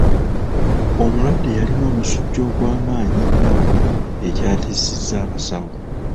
Omulwadde yalina omusujja ogw'amaanyi ennyo ekyatiisizza abasawo.